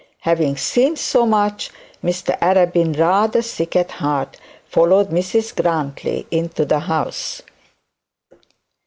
Having seen so much, Mr Arabin, rather sick at heart, followed Mrs Grantly into the house.